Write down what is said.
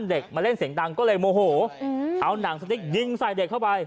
เด็กมาเล่นเสียงดังก็เลยโมโหเอาหนังสติ๊กยิงใส่เด็กเข้าไป